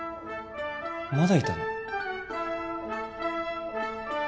まだいたの？